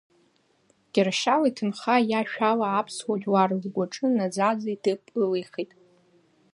Кьыршьал иҭынха иашәала аԥсуа жәлар ргәаҿы наӡаӡа иҭыԥ ылихит.